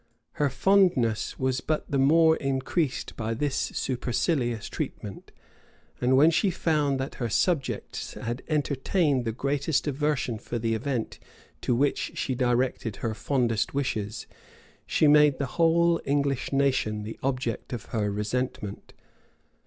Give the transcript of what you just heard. [] Her fondness was but the more increased by this supercilious treatment; and when she found that her subjects had entertained the greatest aversion for the event to which she directed her fondest wishes, she made the whole English nation the object of her resentment.